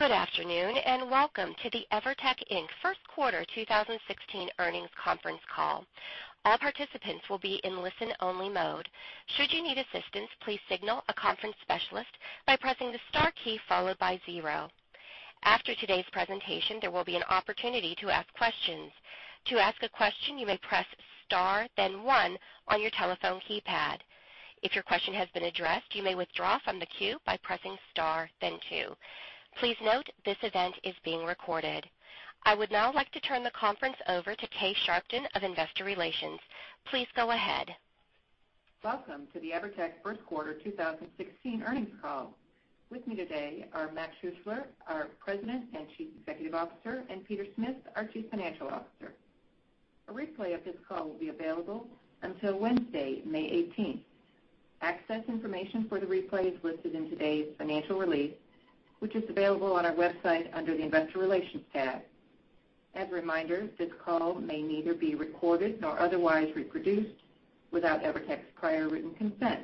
Good afternoon, welcome to the EVERTEC, Inc. first quarter 2016 earnings conference call. All participants will be in listen-only mode. Should you need assistance, please signal a conference specialist by pressing the star key followed by zero. After today's presentation, there will be an opportunity to ask questions. To ask a question, you may press star-then-one on your telephone keypad. If your question has been addressed, you may withdraw from the queue by pressing star then two. Please note this event is being recorded. I would now like to turn the conference over to Kay Sharpton of Investor Relations. Please go ahead. Welcome to the Evertec first quarter 2016 earnings call. With me today are Mac Schuessler, our President and Chief Executive Officer, Peter Smith, our Chief Financial Officer. A replay of this call will be available until Wednesday, May 18th. Access information for the replay is listed in today's financial release, which is available on our website under the Investor Relations tab. As a reminder, this call may neither be recorded nor otherwise reproduced without Evertec's prior written consent.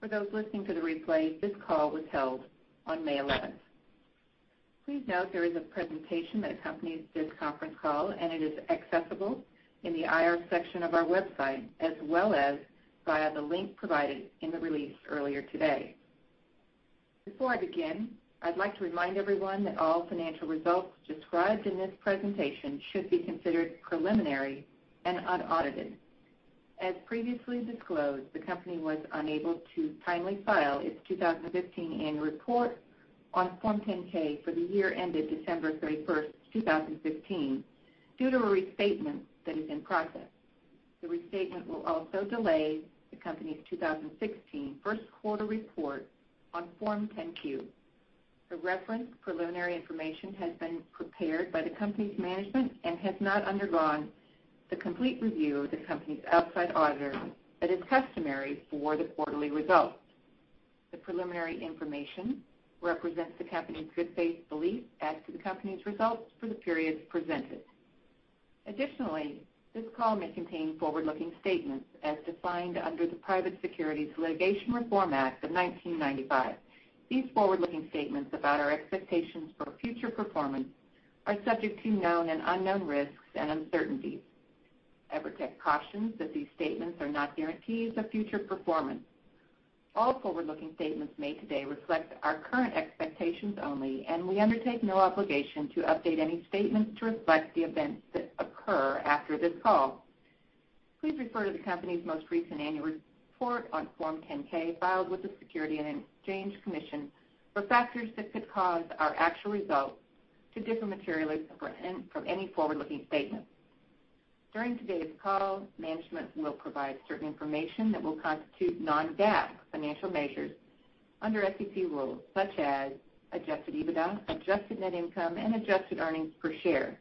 For those listening to the replay, this call was held on May 11th. Please note there is a presentation that accompanies this conference call, it is accessible in the IR section of our website, as well as via the link provided in the release earlier today. Before I begin, I'd like to remind everyone that all financial results described in this presentation should be considered preliminary and unaudited. As previously disclosed, the company was unable to timely file its 2015 annual report on Form 10-K for the year ended December 31st, 2015, due to a restatement that is in process. The restatement will also delay the company's 2016 first quarter report on Form 10-Q. The referenced preliminary information has been prepared by the company's management and has not undergone the complete review of the company's outside auditor that is customary for the quarterly results. The preliminary information represents the company's good faith belief as to the company's results for the periods presented. Additionally, this call may contain forward-looking statements as defined under the Private Securities Litigation Reform Act of 1995. These forward-looking statements about our expectations for future performance are subject to known and unknown risks and uncertainties. Evertec cautions that these statements are not guarantees of future performance. All forward-looking statements made today reflect our current expectations only, we undertake no obligation to update any statements to reflect the events that occur after this call. Please refer to the company's most recent annual report on Form 10-K filed with the Securities and Exchange Commission for factors that could cause our actual results to differ materially from any forward-looking statements. During today's call, management will provide certain information that will constitute non-GAAP financial measures under SEC rules such as adjusted EBITDA, adjusted net income and adjusted earnings per share.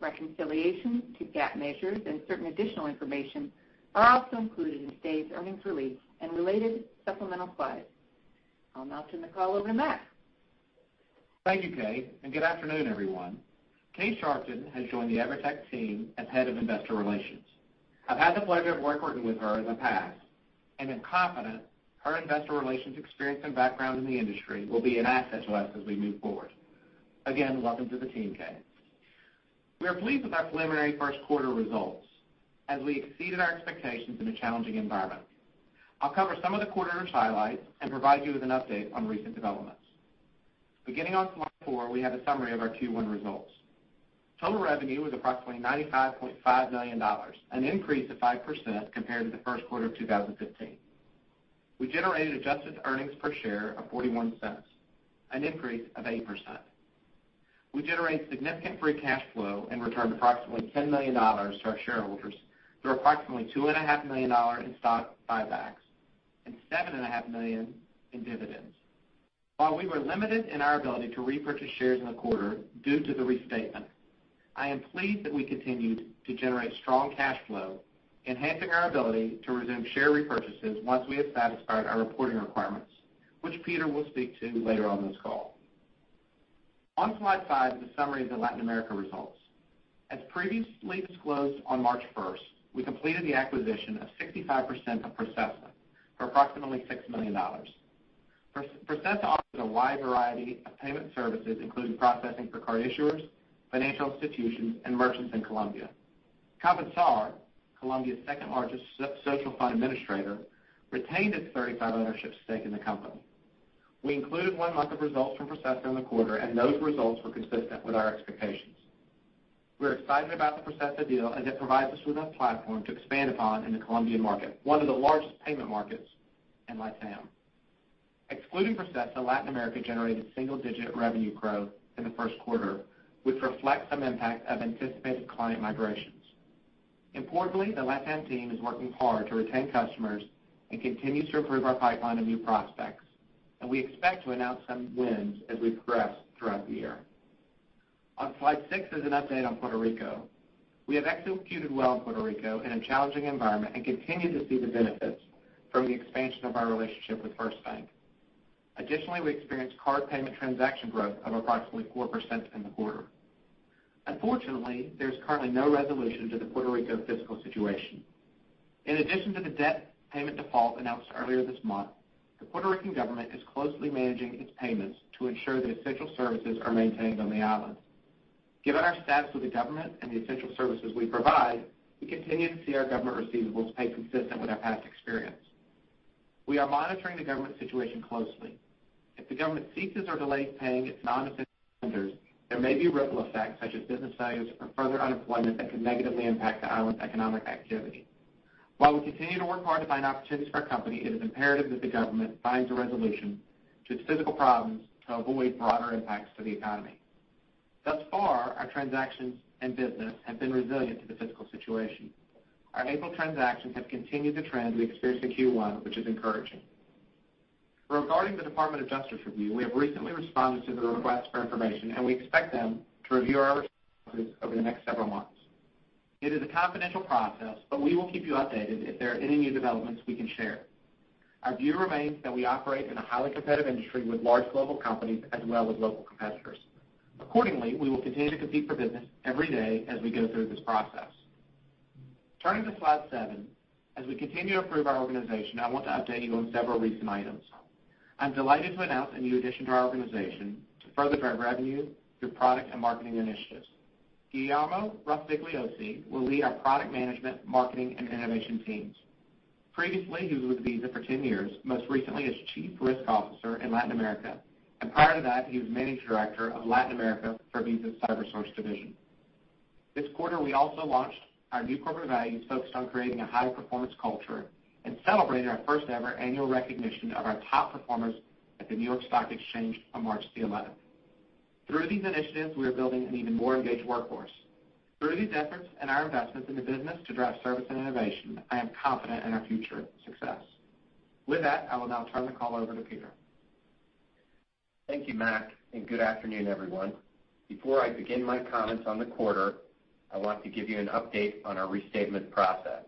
Reconciliation to GAAP measures and certain additional information are also included in today's earnings release and related supplemental files. I'll now turn the call over to Mac. Thank you, Kay, and good afternoon, everyone. Kay Sharpton has joined the EVERTEC team as Head of Investor Relations. I've had the pleasure of working with her in the past, and am confident her investor relations experience and background in the industry will be an asset to us as we move forward. Again, welcome to the team, Kay. We are pleased with our preliminary first quarter results as we exceeded our expectations in a challenging environment. I'll cover some of the quarter's highlights and provide you with an update on recent developments. Beginning on slide four, we have a summary of our Q1 results. Total revenue was approximately $95.5 million, an increase of 5% compared to the first quarter of 2015. We generated adjusted earnings per share of $0.41, an increase of 8%. We generated significant free cash flow and returned approximately $10 million to our shareholders through approximately $2.5 million in stock buybacks and seven and a half million in dividends. While we were limited in our ability to repurchase shares in the quarter due to the restatement, I am pleased that we continued to generate strong cash flow, enhancing our ability to resume share repurchases once we have satisfied our reporting requirements, which Peter will speak to later on this call. On slide five is a summary of the Latin America results. As previously disclosed on March 1st, we completed the acquisition of 65% of Processa for approximately $6 million. Processa offers a wide variety of payment services, including processing for card issuers, financial institutions, and merchants in Colombia. Compensar, Colombia's second-largest social fund administrator, retained its 35% ownership stake in the company. We included one month of results from Processa in the quarter, and those results were consistent with our expectations. We're excited about the Processa deal as it provides us with a platform to expand upon in the Colombian market, one of the largest payment markets in LATAM. Excluding Processa, Latin America generated single-digit revenue growth in the first quarter, which reflects some impact of anticipated client migrations. Importantly, the LATAM team is working hard to retain customers and continues to improve our pipeline of new prospects. We expect to announce some wins as we progress throughout the year. On slide six is an update on Puerto Rico. We have executed well in Puerto Rico in a challenging environment and continue to see the benefits from the expansion of our relationship with FirstBank. Additionally, we experienced card payment transaction growth of approximately 4% in the quarter. Unfortunately, there's currently no resolution to the Puerto Rico fiscal situation. In addition to the debt payment default announced earlier this month, the Puerto Rican government is closely managing its payments to ensure that essential services are maintained on the island. Given our status with the government and the essential services we provide, we continue to see our government receivables stay consistent with our past experience. We are monitoring the government situation closely. If the government ceases or delays paying its non-essential vendors, there may be ripple effects such as business failures or further unemployment that could negatively impact the island's economic activity. While we continue to work hard to find opportunities for our company, it is imperative that the government finds a resolution to its fiscal problems to avoid broader impacts to the economy. Thus far, our transactions and business have been resilient to the fiscal situation. Our April transactions have continued the trend we experienced in Q1, which is encouraging. Regarding the Department of Justice review, we have recently responded to the request for information. We expect them to review our responses over the next several months. It is a confidential process, but we will keep you updated if there are any new developments we can share. Our view remains that we operate in a highly competitive industry with large global companies as well as local competitors. Accordingly, we will continue to compete for business every day as we go through this process. Turning to slide seven. As we continue to improve our organization, I want to update you on several recent items. I am delighted to announce a new addition to our organization to further drive revenue through product and marketing initiatives. Guillermo Rospigliosi will lead our product management, marketing, and innovation teams. Previously, he was with Visa for 10 years, most recently as Chief Risk Officer in Latin America. Prior to that, he was Managing Director of Latin America for Visa's CyberSource division. This quarter, we also launched our new corporate values focused on creating a high-performance culture and celebrated our first-ever annual recognition of our top performers at the New York Stock Exchange on March the 11th. Through these initiatives, we are building an even more engaged workforce. Through these efforts and our investments in the business to drive service and innovation, I am confident in our future success. With that, I will now turn the call over to Peter. Thank you, Mac. Good afternoon, everyone. Before I begin my comments on the quarter, I want to give you an update on our restatement process.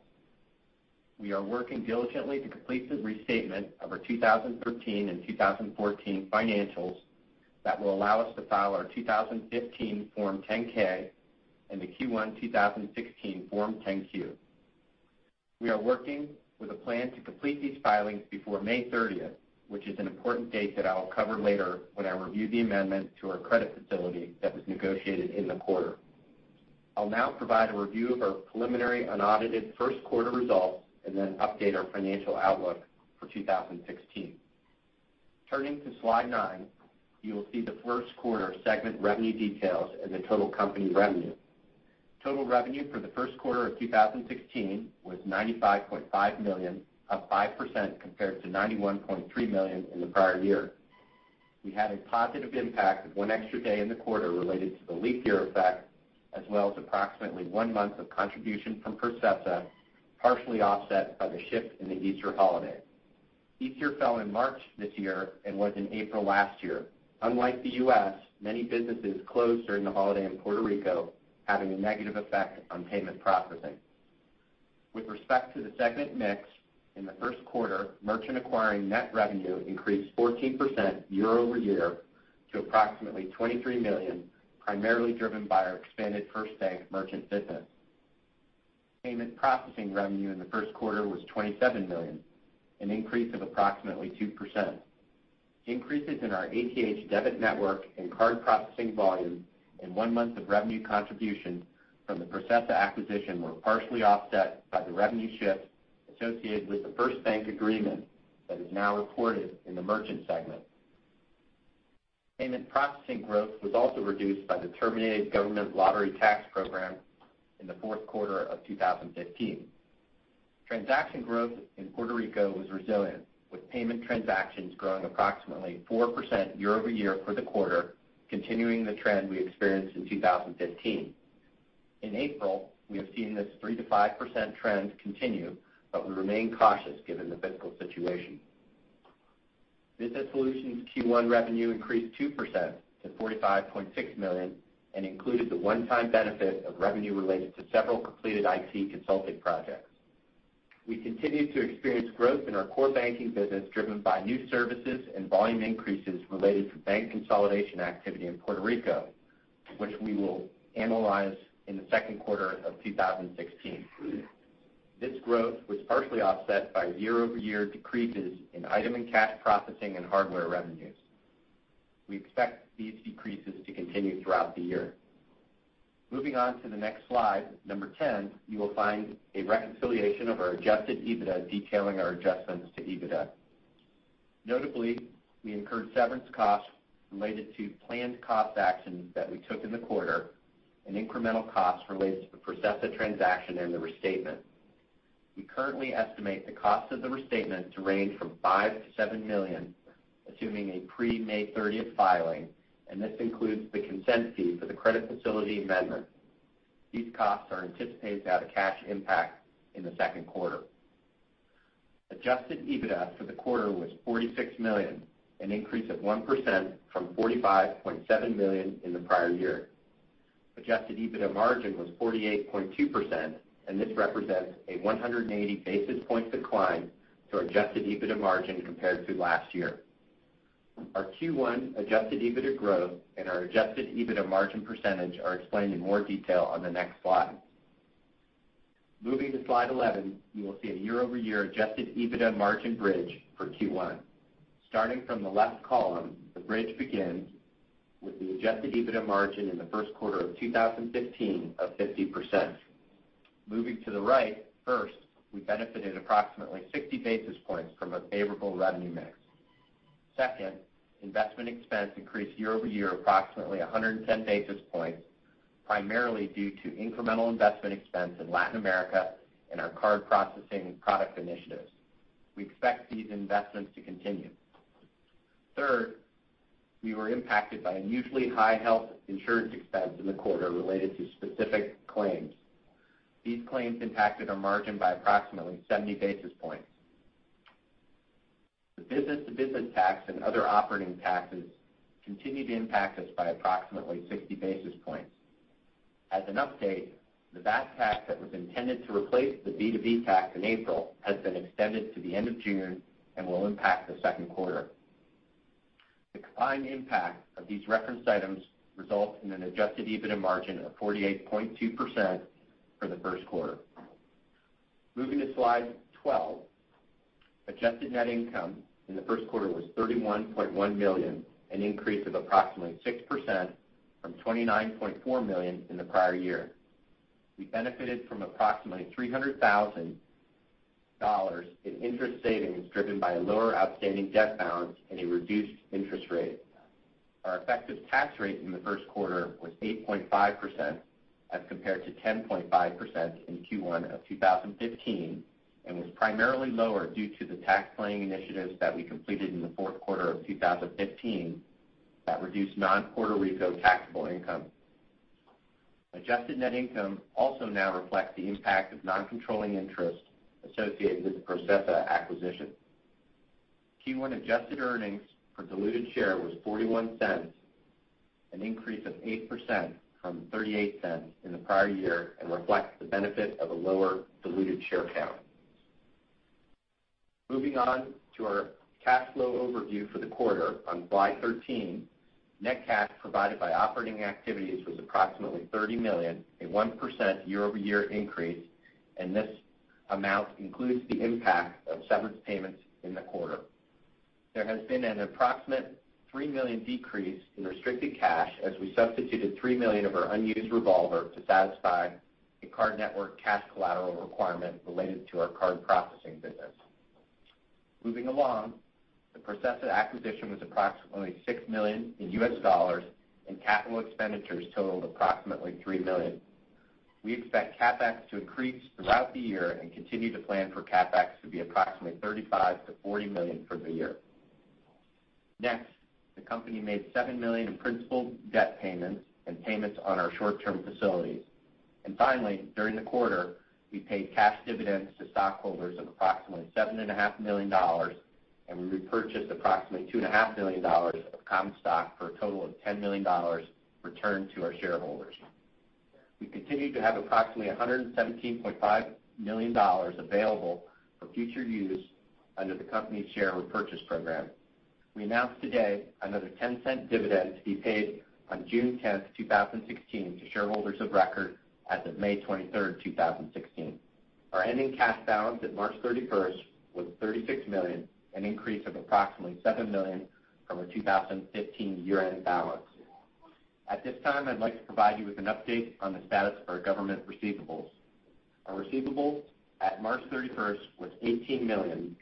We are working diligently to complete the restatement of our 2013 and 2014 financials that will allow us to file our 2015 Form 10-K and the Q1 2016 Form 10-Q. We are working with a plan to complete these filings before May 30th, which is an important date that I will cover later when I review the amendment to our credit facility that was negotiated in the quarter. I will now provide a review of our preliminary unaudited first quarter results. Then update our financial outlook for 2016. Turning to slide nine, you will see the first quarter segment revenue details and the total company revenue. Total revenue for the first quarter of 2016 was $95.5 million, up 5% compared to $91.3 million in the prior year. We had a positive impact of one extra day in the quarter related to the leap year effect as well as approximately one month of contribution from Processa, partially offset by the shift in the Easter holiday. Easter fell in March this year and was in April last year. Unlike the U.S., many businesses close during the holiday in Puerto Rico, having a negative effect on payment processing. In the first quarter, merchant acquiring net revenue increased 14% year-over-year to approximately $23 million, primarily driven by our expanded FirstBank merchant business. Payment processing revenue in the first quarter was $27 million, an increase of approximately 2%. Increases in our ATH debit network and card processing volume and one month of revenue contribution from the Processa acquisition were partially offset by the revenue shift associated with the FirstBank agreement that is now reported in the merchant segment. Payment processing growth was also reduced by the terminated government lottery tax program in the fourth quarter of 2015. Transaction growth in Puerto Rico was resilient with payment transactions growing approximately 4% year-over-year for the quarter, continuing the trend we experienced in 2015. In April, we have seen this 3%-5% trend continue, but we remain cautious given the fiscal situation. Business Solutions Q1 revenue increased 2% to $45.6 million and included the one-time benefit of revenue related to several completed IT consulting projects. We continue to experience growth in our core banking business driven by new services and volume increases related to bank consolidation activity in Puerto Rico, which we will analyze in the second quarter of 2016. This growth was partially offset by year-over-year decreases in item and cash processing and hardware revenues. We expect these decreases to continue throughout the year. Moving on to the next slide, number 10, you will find a reconciliation of our adjusted EBITDA detailing our adjustments to EBITDA. Notably, we incurred severance costs related to planned cost actions that we took in the quarter and incremental costs related to the Processa transaction and the restatement. We currently estimate the cost of the restatement to range from $5 million-$7 million, assuming a pre-May 30th filing, and this includes the consent fee for the credit facility amendment. These costs are anticipated to have a cash impact in the second quarter. Adjusted EBITDA for the quarter was $46 million, an increase of 1% from $45.7 million in the prior year. Adjusted EBITDA margin was 48.2%, and this represents a 180 basis point decline to adjusted EBITDA margin compared to last year. Our Q1 adjusted EBITDA growth and our adjusted EBITDA margin percentage are explained in more detail on the next slide. Moving to slide 11, you will see a year-over-year adjusted EBITDA margin bridge for Q1. Starting from the left column, the bridge begins with the adjusted EBITDA margin in the first quarter of 2015 of 50%. Moving to the right, first, we benefited approximately 60 basis points from a favorable revenue mix. Second, investment expense increased year-over-year approximately 110 basis points, primarily due to incremental investment expense in Latin America in our card processing product initiatives. We expect these investments to continue. Third, we were impacted by unusually high health insurance expense in the quarter related to specific claims. These claims impacted our margin by approximately 70 basis points. The business-to-business tax and other operating taxes continued to impact us by approximately 60 basis points. As an update, the VAT tax that was intended to replace the B2B tax in April has been extended to the end of June and will impact the second quarter. The combined impact of these referenced items result in an adjusted EBITDA margin of 48.2% for the first quarter. Moving to slide 12. Adjusted net income in the first quarter was $31.1 million, an increase of approximately 6% from $29.4 million in the prior year. We benefited from approximately $300,000 in interest savings, driven by a lower outstanding debt balance and a reduced interest rate. Our effective tax rate in the first quarter was 8.5% as compared to 10.5% in Q1 of 2015, and was primarily lower due to the tax planning initiatives that we completed in the fourth quarter of 2015 that reduced non-Puerto Rico taxable income. Adjusted net income also now reflects the impact of non-controlling interest associated with the Processa acquisition. Q1 adjusted earnings per diluted share was $0.41, an increase of 8% from $0.38 in the prior year, and reflects the benefit of a lower diluted share count. Moving on to our cash flow overview for the quarter. On slide 13, net cash provided by operating activities was approximately $30 million, a 1% year-over-year increase, and this amount includes the impact of severance payments in the quarter. There has been an approximate $3 million decrease in restricted cash as we substituted $3 million of our unused revolver to satisfy the card network cash collateral requirement related to our card processing business. Moving along, the Processa acquisition was approximately $6 million in US dollars, and capital expenditures totaled approximately $3 million. We expect CapEx to increase throughout the year and continue to plan for CapEx to be approximately $35 million-$40 million for the year. The company made $7 million in principal debt payments and payments on our short-term facilities. Finally, during the quarter, we paid cash dividends to stockholders of approximately $7.5 million, and we repurchased approximately $2.5 million of common stock, for a total of $10 million returned to our shareholders. We continue to have approximately $117.5 million available for future use under the company's share repurchase program. We announced today another $0.10 dividend to be paid on June 10th, 2016, to shareholders of record as of May 23rd, 2016. Our ending cash balance at March 31st was $36 million, an increase of approximately $7 million from our 2015 year-end balance. At this time, I'd like to provide you with an update on the status of our government receivables. Our receivables at March 31st was $18 million,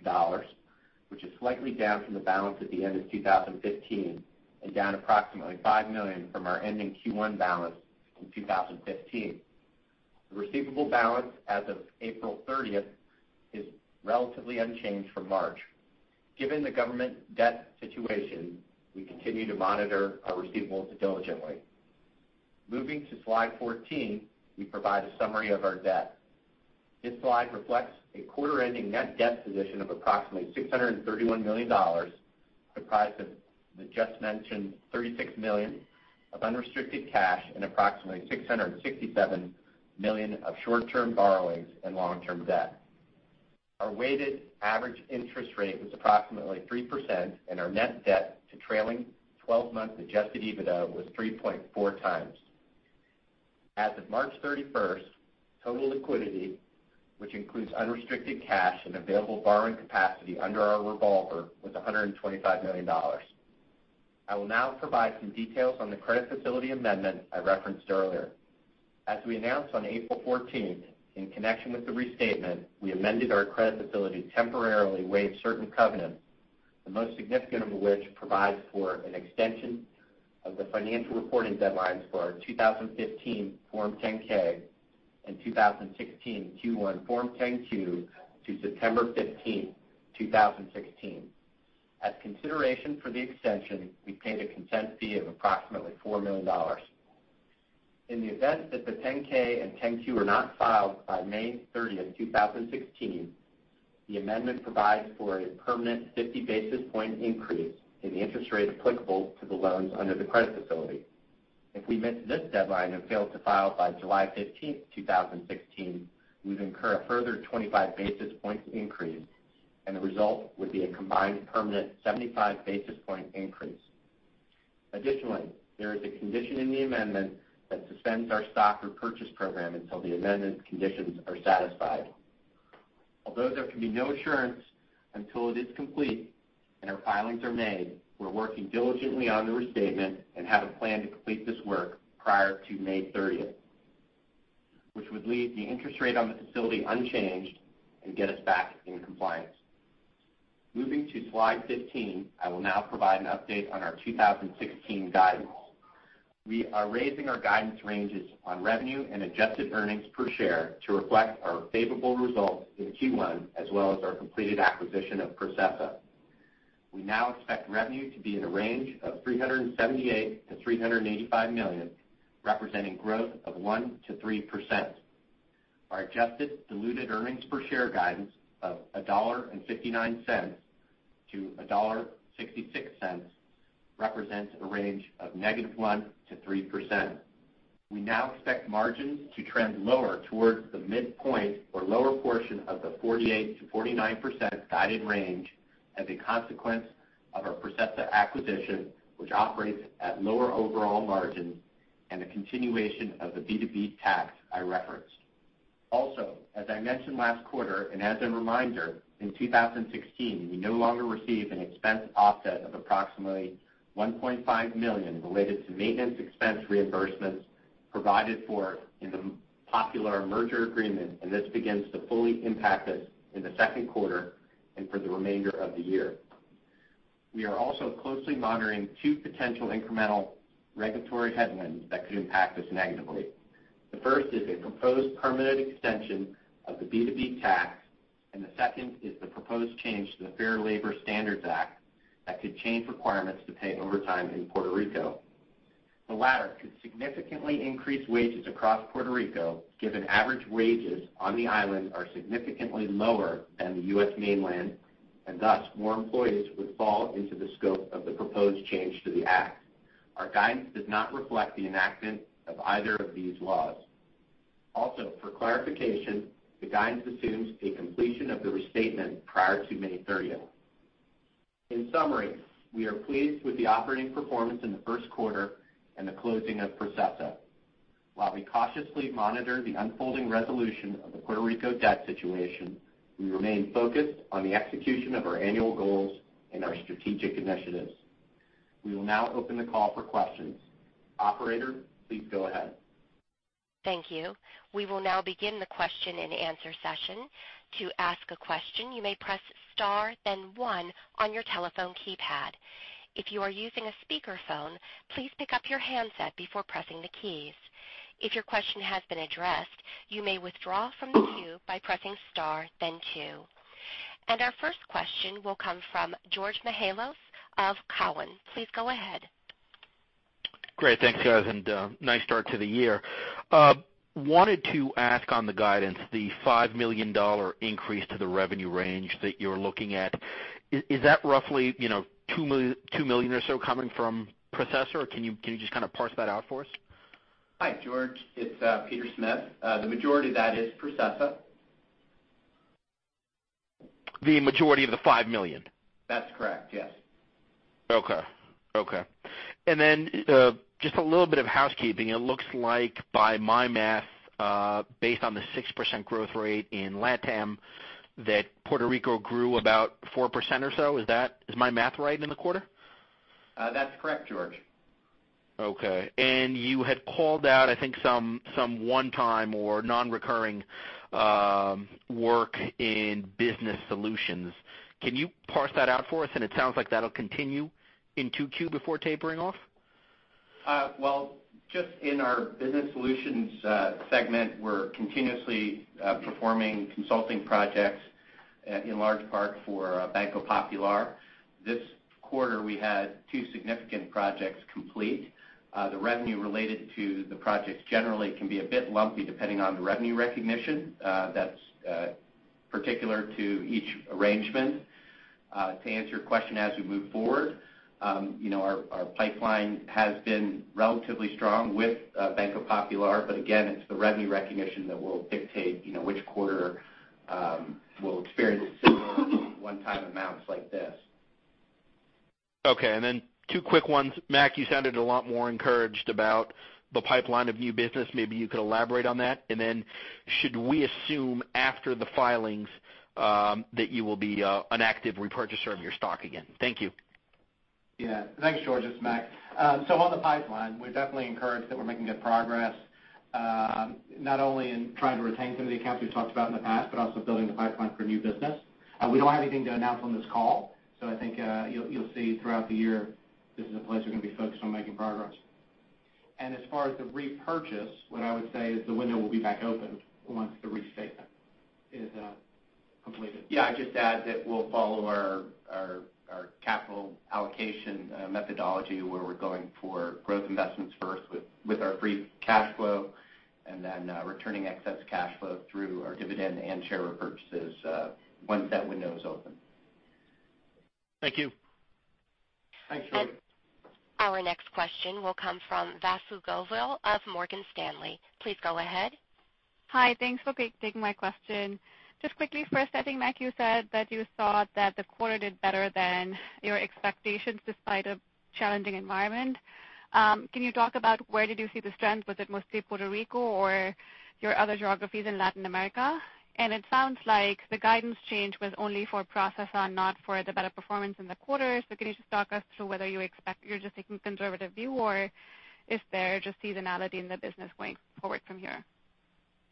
which is slightly down from the balance at the end of 2015, and down approximately $5 million from our ending Q1 balance in 2015. The receivable balance as of April 30th is relatively unchanged from March. Given the government debt situation, we continue to monitor our receivables diligently. Moving to slide 14, we provide a summary of our debt. This slide reflects a quarter-ending net debt position of approximately $631 million, comprised of the just mentioned $36 million of unrestricted cash and approximately $667 million of short-term borrowings and long-term debt. Our weighted average interest rate was approximately 3%, and our net debt to trailing 12-month adjusted EBITDA was 3.4 times. As of March 31st, total liquidity, which includes unrestricted cash and available borrowing capacity under our revolver, was $125 million. I will now provide some details on the credit facility amendment I referenced earlier. As we announced on April 14th, in connection with the restatement, we amended our credit facility to temporarily waive certain covenants, the most significant of which provides for an extension of the financial reporting deadlines for our 2015 Form 10-K and 2016 Q1 Form 10-Q to September 15th, 2016. As consideration for the extension, we paid a consent fee of approximately $4 million. In the event that the 10-K and 10-Q are not filed by May 30th, 2016, the amendment provides for a permanent 50 basis point increase in the interest rate applicable to the loans under the credit facility. If we miss this deadline and fail to file by July 15th, 2016, we'd incur a further 25 basis point increase, and the result would be a combined permanent 75 basis point increase. Additionally, there is a condition in the amendment that suspends our stock repurchase program until the amendment conditions are satisfied. Although there can be no assurance until it is complete and our filings are made, we're working diligently on the restatement and have a plan to complete this work prior to May 30th, which would leave the interest rate on the facility unchanged and get us back in compliance. Moving to slide 15. I will now provide an update on our 2016 guidance. We are raising our guidance ranges on revenue and adjusted earnings per share to reflect our favorable results in Q1, as well as our completed acquisition of Processa. We now expect revenue to be in a range of $378 million-$385 million, representing growth of 1%-3%. Our adjusted diluted earnings per share guidance of $1.59-$1.66 represents a range of -1%-3%. We now expect margins to trend lower towards the midpoint or lower portion of the 48%-49% guided range as a consequence of our Processa acquisition, which operates at lower overall margins and a continuation of the B2B tax I referenced. As I mentioned last quarter, as a reminder, in 2016, we no longer receive an expense offset of approximately $1.5 million related to maintenance expense reimbursements provided for in the Popular merger agreement, this begins to fully impact us in the second quarter and for the remainder of the year. We are also closely monitoring two potential incremental regulatory headwinds that could impact us negatively. The first is a proposed permanent extension of the B2B tax, the second is the proposed change to the Fair Labor Standards Act that could change requirements to pay overtime in Puerto Rico. The latter could significantly increase wages across Puerto Rico, given average wages on the island are significantly lower than the U.S. mainland, thus, more employees would fall into the scope of the proposed change to the act. Our guidance does not reflect the enactment of either of these laws. For clarification, the guidance assumes a completion of the restatement prior to May 30th. In summary, we are pleased with the operating performance in the first quarter and the closing of Processa. While we cautiously monitor the unfolding resolution of the Puerto Rico debt situation, we remain focused on the execution of our annual goals and our strategic initiatives. We will now open the call for questions. Operator, please go ahead. Thank you. We will now begin the question and answer session. To ask a question, you may press star then one on your telephone keypad. If you are using a speakerphone, please pick up your handset before pressing the keys. If your question has been addressed, you may withdraw from the queue by pressing star then two. Our first question will come from Georgios Mihalos of Cowen. Please go ahead. Great. Thanks, guys, nice start to the year. Wanted to ask on the guidance, the $5 million increase to the revenue range that you're looking at, is that roughly $2 million or so coming from Processa? Can you just kind of parse that out for us? Hi, George. It's Peter Smith. The majority of that is Processa. The majority of the $5 million? That's correct, yes. Okay. Just a little bit of housekeeping. It looks like by my math, based on the 6% growth rate in LATAM, that Puerto Rico grew about 4% or so. Is my math right in the quarter? That's correct, George. Okay. You had called out, I think, some one-time or non-recurring work in Business Solutions. Can you parse that out for us? It sounds like that'll continue in 2Q before tapering off? Well, just in our Business Solutions segment, we're continuously performing consulting projects, in large part for Banco Popular. This quarter, we had two significant projects complete. The revenue related to the projects generally can be a bit lumpy depending on the revenue recognition. That's particular to each arrangement. To answer your question, as we move forward, our pipeline has been relatively strong with Banco Popular, but again, it's the revenue recognition that will dictate which quarter we'll experience similar one-time amounts like this. Okay, two quick ones. Mac, you sounded a lot more encouraged about the pipeline of new business. Maybe you could elaborate on that. Should we assume after the filings, that you will be an active repurchaser of your stock again? Thank you. Yeah. Thanks, George. It's Mac. On the pipeline, we're definitely encouraged that we're making good progress, not only in trying to retain some of the accounts we've talked about in the past, but also building the pipeline for new business. We don't have anything to announce on this call, I think you'll see throughout the year, this is a place we're going to be focused on making progress. As far as the repurchase, what I would say is the window will be back open once the restatement is completed. Yeah, I'd just add that we'll follow our capital allocation methodology where we're going for growth investments first with our free cash flow and then returning excess cash flow through our dividend and share repurchases once that window is open. Thank you. Thanks, George. Our next question will come from Vasundhara Govil of Morgan Stanley. Please go ahead. Hi. Thanks for taking my question. Just quickly first, I think, Mac, you said that you thought that the quarter did better than your expectations despite a challenging environment. Can you talk about where did you see the strength? Was it mostly Puerto Rico or your other geographies in Latin America? It sounds like the guidance change was only for Processa, not for the better performance in the quarter. Can you just talk us through whether you expect you're just taking a conservative view or if there are just seasonality in the business going forward from here?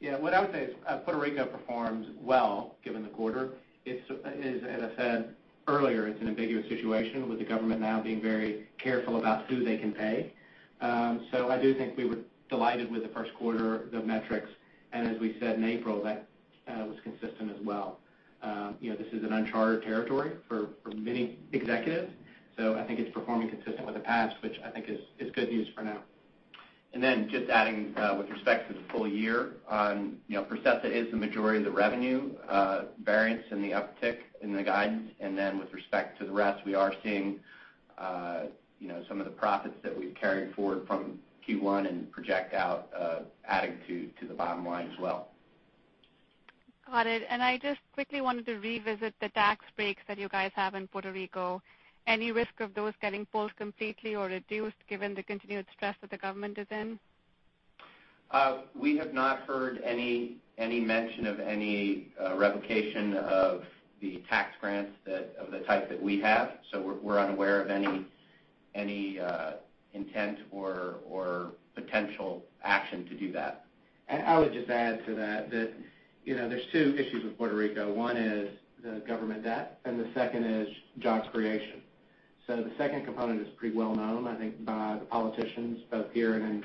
Yeah. What I would say is Puerto Rico performed well given the quarter. As I said earlier, it's an ambiguous situation with the government now being very careful about who they can pay. I do think we were delighted with the first quarter, the metrics, and as we said in April, that was consistent as well. This is an uncharted territory for many executives, so I think it's performing consistent with the past, which I think is good news for now. Just adding with respect to the full year, Processa is the majority of the revenue variance and the uptick in the guidance. With respect to the rest, we are seeing some of the profits that we've carried forward from Q1 and project out adding to the bottom line as well. I just quickly wanted to revisit the tax breaks that you guys have in Puerto Rico. Any risk of those getting pulled completely or reduced given the continued stress that the government is in? We have not heard any mention of any revocation of the tax grants of the type that we have. We're unaware of any intent or potential action to do that. I would just add to that, there's two issues with Puerto Rico. One is the government debt and the second is job creation. The second component is pretty well known, I think by the politicians both here and in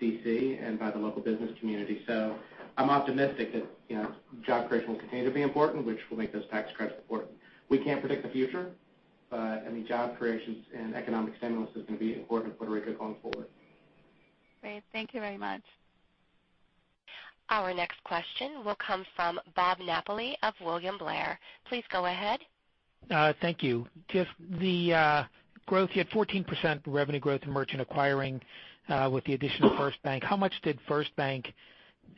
D.C. and by the local business community. I'm optimistic that job creation will continue to be important, which will make those tax credits important. We can't predict the future, but job creations and economic stimulus is going to be important to Puerto Rico going forward. Great. Thank you very much. Our next question will come from Robert Napoli of William Blair. Please go ahead. Thank you. Tiff, you had 14% revenue growth in merchant acquiring with the addition of FirstBank. How much did FirstBank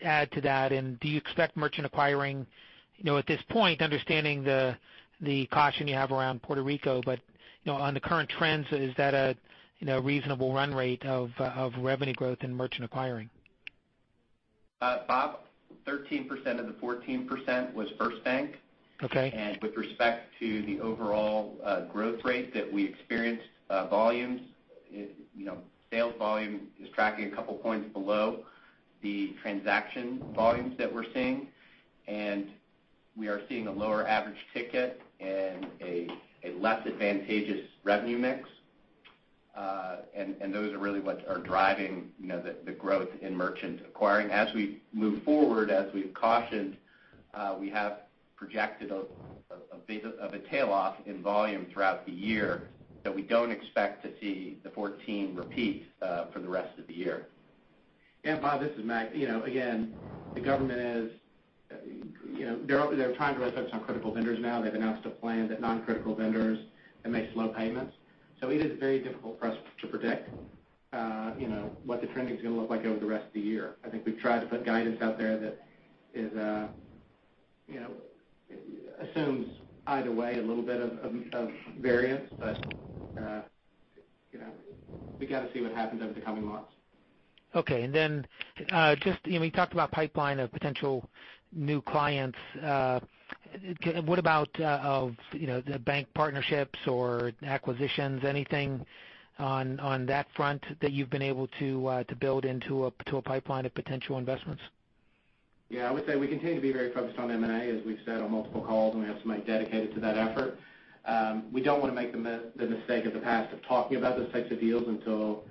add to that? Do you expect merchant acquiring, at this point, understanding the caution you have around Puerto Rico, but on the current trends, is that a reasonable run rate of revenue growth in merchant acquiring? Bob, 13% of the 14% was FirstBank. Okay. With respect to the overall growth rate that we experienced volumes, sales volume is tracking a couple points below the transaction volumes that we're seeing. We are seeing a lower average ticket and a less advantageous revenue mix. Those are really what are driving the growth in merchant acquiring. As we move forward, as we've cautioned, we have projected a bit of a tail-off in volume throughout the year that we don't expect to see the 14% repeat for the rest of the year. Bob, this is Mac Schuessler. Again, the government. They're trying to raise up some critical vendors now. They've announced a plan that non-critical vendors that make slow payments. It is very difficult for us to predict what the trending's going to look like over the rest of the year. I think we've tried to put guidance out there that assumes either way a little bit of variance, we got to see what happens over the coming months. Just you talked about pipeline of potential new clients. What about the bank partnerships or acquisitions? Anything on that front that you've been able to build into a pipeline of potential investments? Yeah, I would say we continue to be very focused on M&A, as we've said on multiple calls. We have somebody dedicated to that effort. We don't want to make the mistake of the past of talking about those types of deals until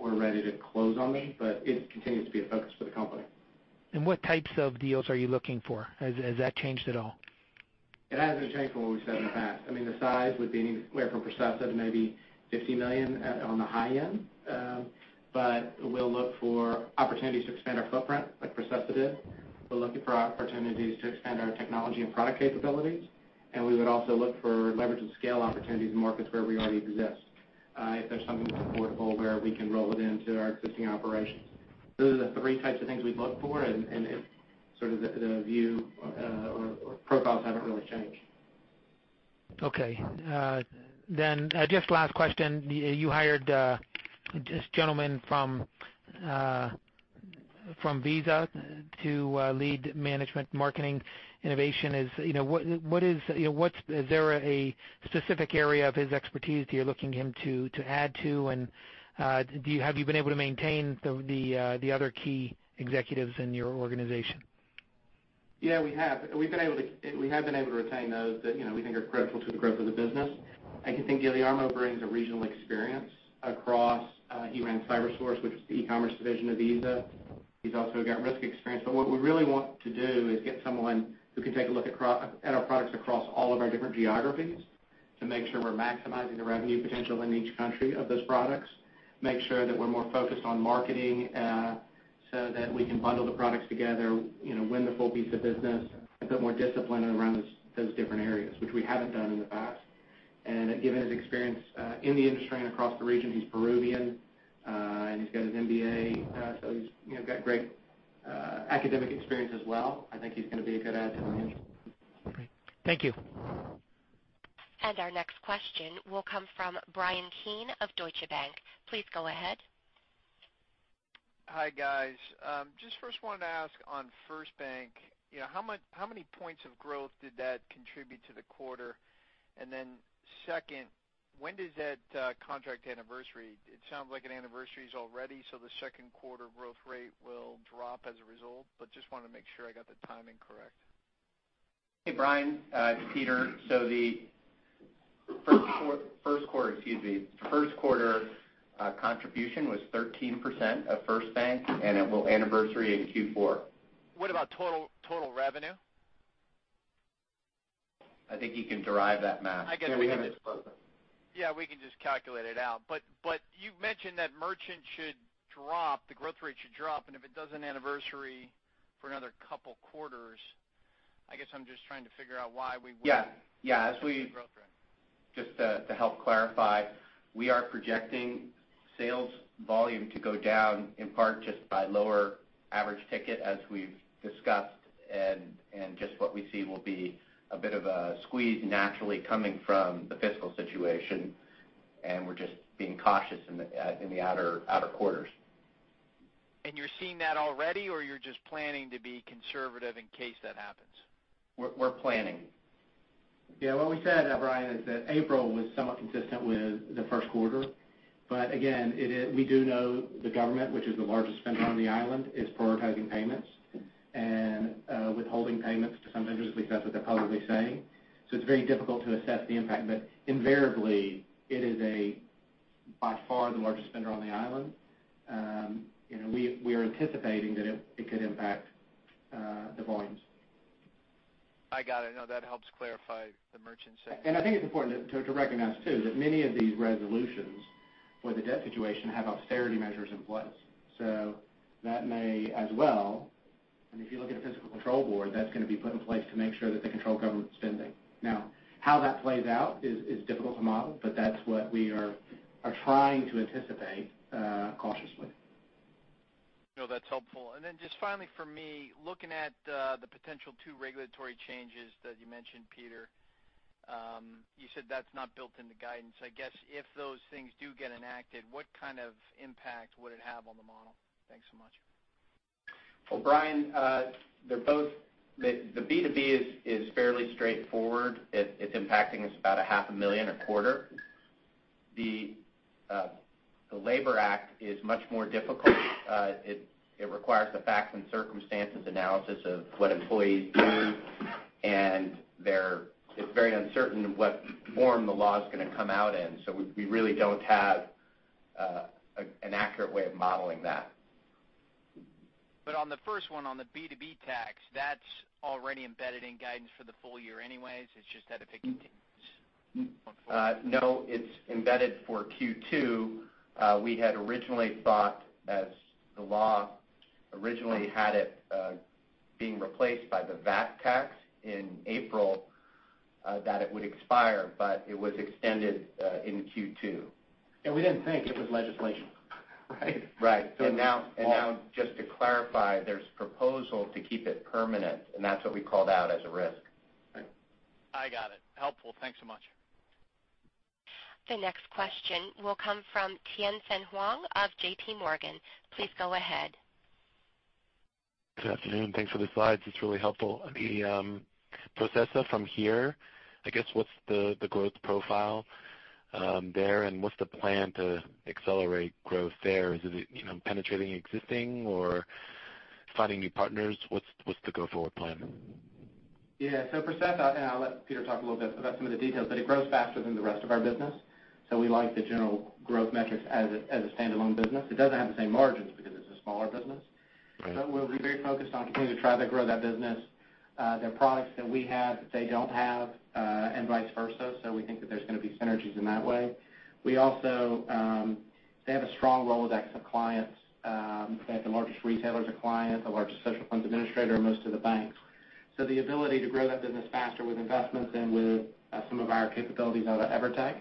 we're ready to close on these. It continues to be a focus for the company. What types of deals are you looking for? Has that changed at all? It hasn't changed from what we've said in the past. The size would be anywhere from Processa to maybe $50 million on the high end. We'll look for opportunities to expand our footprint like Processa did. We're looking for opportunities to expand our technology and product capabilities. We would also look for leverage and scale opportunities in markets where we already exist if there's something that's affordable where we can roll it into our existing operations. Those are the 3 types of things we look for and sort of the view or profiles haven't really changed. Okay. Just last question. You hired this gentleman from Visa to lead management marketing innovation. Is there a specific area of his expertise that you're looking him to add to and have you been able to maintain the other key executives in your organization? Yeah, we have. We have been able to retain those that we think are critical to the growth of the business. I think Guillermo brings a regional experience across. He ran CyberSource, which is the e-commerce division of Visa. He's also got risk experience. What we really want to do is get someone who can take a look at our products across all of our different geographies to make sure we're maximizing the revenue potential in each country of those products, make sure that we're more focused on marketing that we can bundle the products together, win the full piece of business, a bit more discipline around those different areas, which we haven't done in the past. Given his experience, in the industry and across the region, he's Peruvian, and he's got his MBA. He's got great academic experience as well. I think he's going to be a good addition. Great. Thank you. Our next question will come from Bryan Keane of Deutsche Bank. Please go ahead. Hi, guys. Just first wanted to ask on FirstBank, how many points of growth did that contribute to the quarter? Then second, when does that contract anniversary? It sounds like it anniversaries already, so the second quarter growth rate will drop as a result, but just wanted to make sure I got the timing correct. Hey, Bryan. It's Peter. The first quarter contribution was 13% of FirstBank, and it will anniversary in Q4. What about total revenue? I think you can derive that math. I guess we have the disclosure. Yeah, we can just calculate it out. You've mentioned that merchant should drop, the growth rate should drop, and if it doesn't anniversary for another couple of quarters, I guess I'm just trying to figure out why we would- Yeah. -see that growth rate. Just to help clarify, we are projecting sales volume to go down in part just by lower average ticket, as we've discussed, and just what we see will be a bit of a squeeze naturally coming from the fiscal situation, and we're just being cautious in the outer quarters. You're seeing that already, or you're just planning to be conservative in case that happens? We're planning. Yeah, what we said, Bryan, is that April was somewhat consistent with the first quarter. Again, we do know the government, which is the largest spender on the island, is prioritizing payments and withholding payments to some vendors, at least that's what they're publicly saying. It's very difficult to assess the impact, but invariably, it is by far the largest spender on the island. We are anticipating that it could impact the volumes. I got it. No, that helps clarify the merchant side. I think it's important to recognize too, that many of these resolutions for the debt situation have austerity measures in place. That may as well, and if you look at a fiscal control board, that's going to be put in place to make sure that they control government spending. Now, how that plays out is difficult to model, but that's what we are trying to anticipate cautiously. No, that's helpful. Then just finally for me, looking at the potential two regulatory changes that you mentioned, Peter, you said that's not built into guidance. I guess if those things do get enacted, what kind of impact would it have on the model? Thanks so much. Well, Bryan, the B2B is fairly straightforward. It's impacting us about a half a million a quarter. The Labor Act is much more difficult. It requires the facts and circumstances analysis of what employees do, and it's very uncertain what form the law's going to come out in. We really don't have an accurate way of modeling that. On the first one, on the B2B tax, that's already embedded in guidance for the full year anyways. It's just that if it continues going forward. No, it's embedded for Q2. We had originally thought as the law originally had it being replaced by the VAT tax in April, that it would expire, but it was extended in Q2. We didn't think it was legislation. Right. Now just to clarify, there's proposal to keep it permanent, and that's what we called out as a risk. Right. I got it. Helpful. Thanks so much. The next question will come from Tien-Tsin Huang of J.P. Morgan. Please go ahead. Good afternoon. Thanks for the slides. It's really helpful. Processa from here, I guess, what's the growth profile there, and what's the plan to accelerate growth there? Is it penetrating existing or finding new partners? What's the go forward plan? Yeah. Processa, and I'll let Peter talk a little bit about some of the details, but it grows faster than the rest of our business. We like the general growth metrics as a standalone business. It doesn't have the same margins because it's a smaller business. Right. We'll be very focused on continuing to try to grow that business. There are products that we have that they don't have, and vice versa. We think that there's going to be synergies in that way. They have a strong rolodex of clients. They have the largest retailers as clients, the largest social funds administrator, and most of the banks. The ability to grow that business faster with investments and with some of our capabilities out of EVERTEC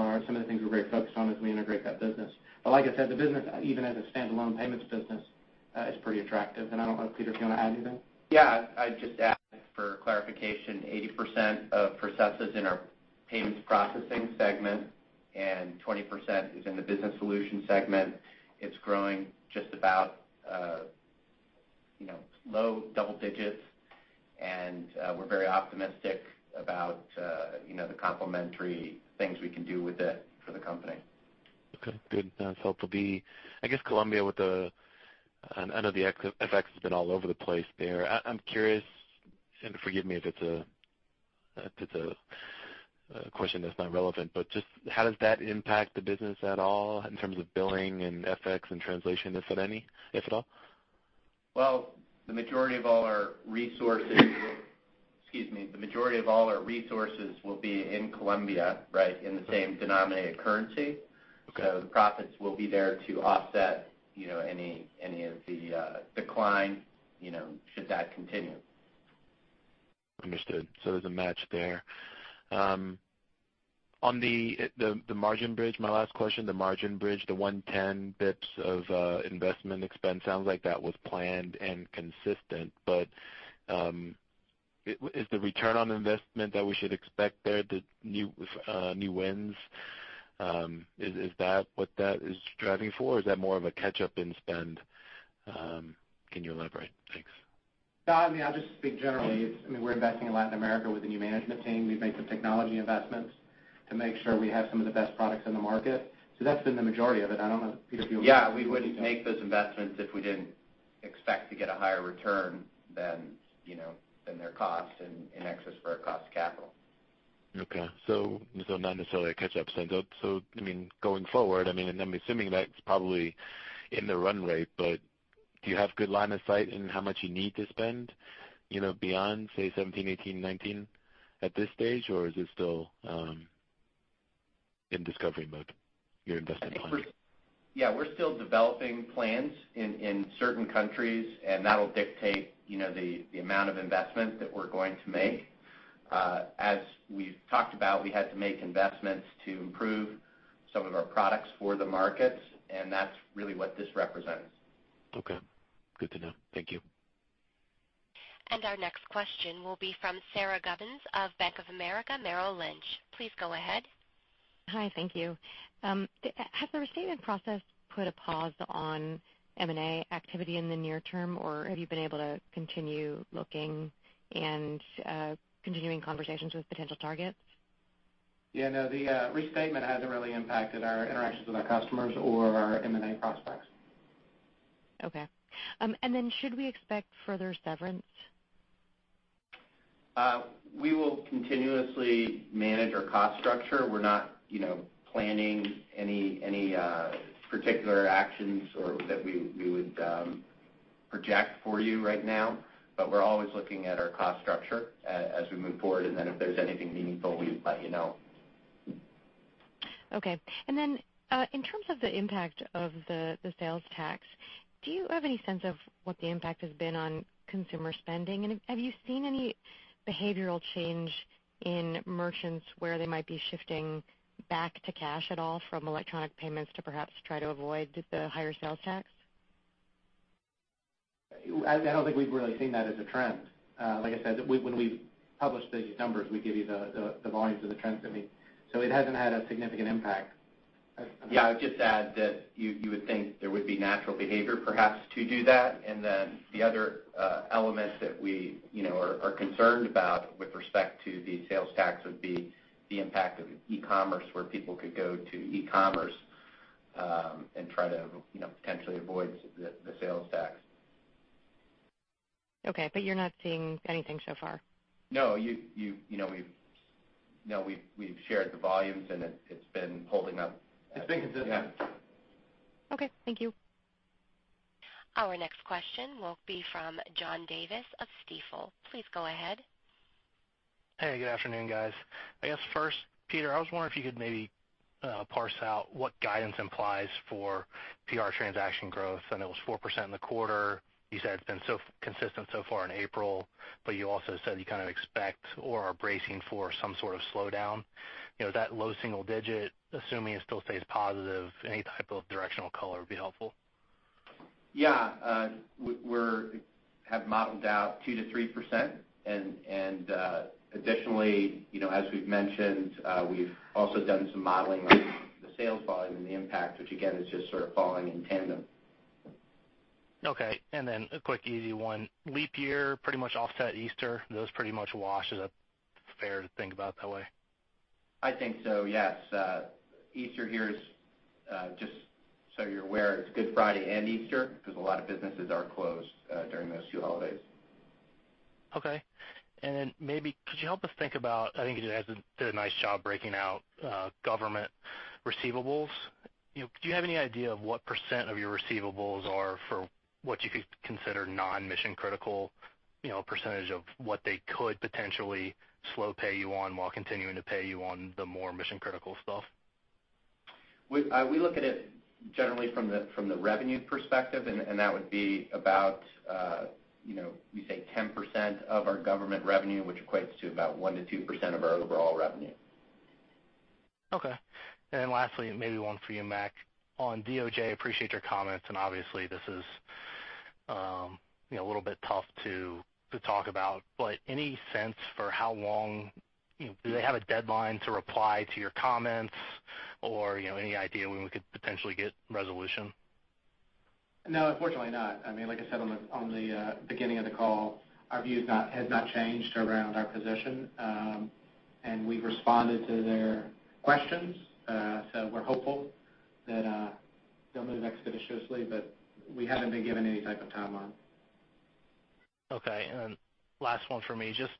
are some of the things we're very focused on as we integrate that business. Like I said, the business, even as a standalone payments business, is pretty attractive. I don't know, Peter, if you want to add anything? Yeah. I'd just add for clarification, 80% of Processa is in our payments processing segment and 20% is in the Business Solution segment. It's growing just about low double digits, and we're very optimistic about the complementary things we can do with it for the company. Okay, good. Sounds helpful. Colombia, I know the FX has been all over the place there. I'm curious, forgive me if it's a question that's not relevant, just how does that impact the business at all in terms of billing and FX and translation, if at all? The majority of all our resources will be in Colombia, in the same denominated currency. Okay. the profits will be there to offset any of the decline should that continue. Understood. There's a match there. On the margin bridge, my last question, the margin bridge, the 110 basis points of investment expense sounds like that was planned and consistent, but is the return on investment that we should expect there the new wins? Is that what that is driving for or is that more of a catch-up in spend? Can you elaborate? Thanks. No, I'll just speak generally. We're investing in Latin America with the new management team. We've made some technology investments to make sure we have some of the best products in the market. That's been the majority of it. I don't know if Peter you- Yeah, we wouldn't make those investments if we didn't expect to get a higher return than their cost and in excess for our cost of capital. Not necessarily a catch-up spend. Going forward, I'm assuming that's probably in the runway, but do you have good line of sight in how much you need to spend beyond, say, 2017, 2018, 2019 at this stage or is it still in discovery mode, your investment plan? Yeah, we're still developing plans in certain countries and that'll dictate the amount of investment that we're going to make. As we've talked about, we had to make investments to improve some of our products for the markets and that's really what this represents. Okay. Good to know. Thank you. Our next question will be from Sara Gubins of Bank of America Merrill Lynch. Please go ahead. Hi, thank you. Has the restatement process put a pause on M&A activity in the near term or have you been able to continue looking and continuing conversations with potential targets? Yeah, no, the restatement hasn't really impacted our interactions with our customers or our M&A prospects. Okay. Should we expect further severance? We will continuously manage our cost structure. We're not planning any particular actions that we would project for you right now. We're always looking at our cost structure as we move forward. If there's anything meaningful, we'd let you know. Okay. Then, in terms of the impact of the sales tax, do you have any sense of what the impact has been on consumer spending and have you seen any behavioral change in merchants where they might be shifting back to cash at all from electronic payments to perhaps try to avoid the higher sales tax? I don't think we've really seen that as a trend. Like I said, when we publish the numbers, we give you the volumes and the trends. It hasn't had a significant impact. Yeah, I'd just add that you would think there would be natural behavior perhaps to do that. The other elements that we are concerned about with respect to the sales tax would be the impact of e-commerce where people could go to e-commerce and try to potentially avoid the sales tax. Okay, you're not seeing anything so far? No, we've shared the volumes and it's been holding up. It's been consistent. Okay, thank you. Our next question will be from John Davis of Stifel. Please go ahead. Hey, good afternoon, guys. I guess first, Peter, I was wondering if you could maybe parse out what guidance implies for PR transaction growth. I know it was 4% in the quarter. You said it's been consistent so far in April, you also said you kind of expect or are bracing for some sort of slowdown. That low single digit, assuming it still stays positive, any type of directional color would be helpful. Yeah. We have modeled out 2%-3%. Additionally, as we've mentioned, we've also done some modeling on the sales volume and the impact which again is just sort of falling in tandem. Okay. A quick easy one. Leap year pretty much offset Easter. Those pretty much wash. Is that fair to think about that way? I think so, yes. Easter here is, just so you're aware, it's Good Friday and Easter because a lot of businesses are closed during those two holidays. Okay. Maybe could you help us think about, I think you guys did a nice job breaking out government receivables. Do you have any idea of what percent of your receivables are for what you could consider non-mission critical, percentage of what they could potentially slow pay you on while continuing to pay you on the more mission-critical stuff? We look at it generally from the revenue perspective that would be about we say 10% of our government revenue which equates to about 1%-2% of our overall revenue. Okay. Lastly, maybe one for you, Mac. On DOJ, appreciate your comments and obviously this is a little bit tough to talk about, any sense for how long, do they have a deadline to reply to your comments or any idea when we could potentially get resolution? No, unfortunately not. Like I said on the beginning of the call, our view has not changed around our position. We've responded to their questions. We're hopeful that they'll move expeditiously, we haven't been given any type of timeline. Last one from me, just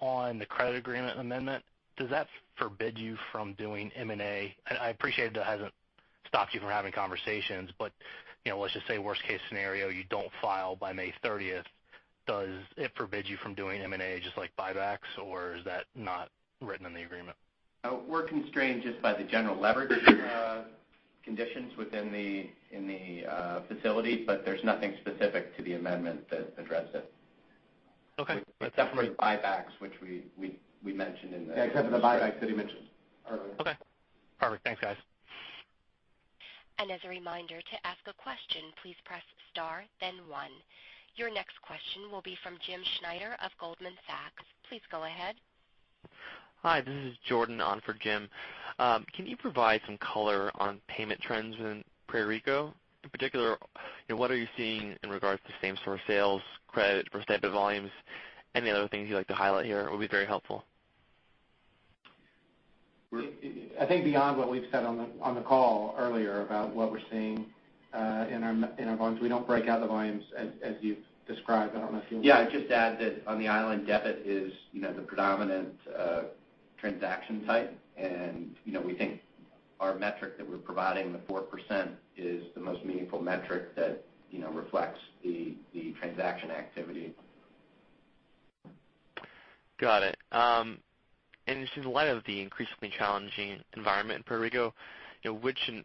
on the credit agreement amendment, does that forbid you from doing M&A? I appreciate that it hasn't stopped you from having conversations, but let's just say worst case scenario, you don't file by May 30th, does it forbid you from doing M&A, just like buybacks, or is that not written in the agreement? We're constrained just by the general leverage conditions within the facility, there's nothing specific to the amendment that addresses it. Okay. Yeah, except for the buybacks that he mentioned earlier. Okay, perfect. Thanks, guys. As a reminder, to ask a question, please press star then one. Your next question will be from James Schneider of Goldman Sachs. Please go ahead. Hi, this is Jordan on for Jim. Can you provide some color on payment trends in Puerto Rico? In particular, what are you seeing in regards to same-store sales, credit % volumes? Any other things you'd like to highlight here will be very helpful. I think beyond what we've said on the call earlier about what we're seeing in our volumes, we don't break out the volumes as you've described. Yeah, I'd just add that on the island, debit is the predominant transaction type, and we think our metric that we're providing, the 4%, is the most meaningful metric that reflects the transaction activity. Got it. Just in light of the increasingly challenging environment in Puerto Rico,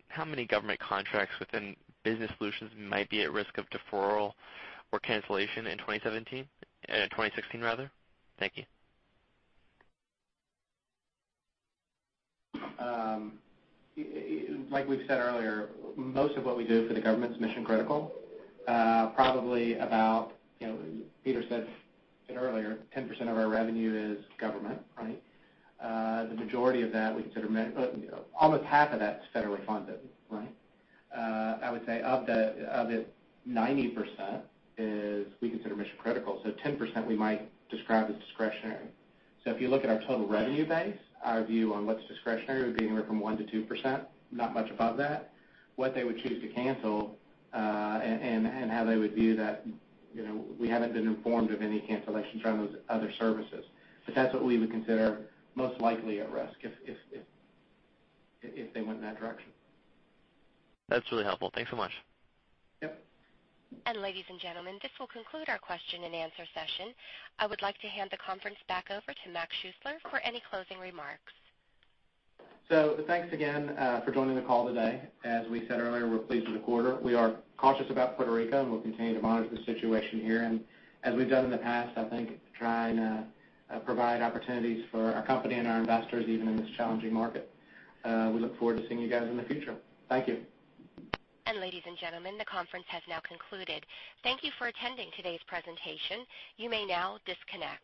how many government contracts within Business Solutions might be at risk of deferral or cancellation in 2017? 2016, rather? Thank you. Like we've said earlier, most of what we do for the government's mission-critical. Probably about, Peter said it earlier, 10% of our revenue is government, right? Almost half of that's federally funded, right? I would say of it, 90% we consider mission-critical, so 10% we might describe as discretionary. If you look at our total revenue base, our view on what's discretionary would be anywhere from 1% to 2%, not much above that. What they would choose to cancel, and how they would view that, we haven't been informed of any cancellations on those other services. That's what we would consider most likely at risk if they went in that direction. That's really helpful. Thanks so much. Yep. Ladies and gentlemen, this will conclude our question and answer session. I would like to hand the conference back over to Morgan Schuessler for any closing remarks. Thanks again for joining the call today. As we said earlier, we're pleased with the quarter. We are cautious about Puerto Rico, and we'll continue to monitor the situation here. As we've done in the past, I think trying to provide opportunities for our company and our investors, even in this challenging market. We look forward to seeing you guys in the future. Thank you. Ladies and gentlemen, the conference has now concluded. Thank you for attending today's presentation. You may now disconnect.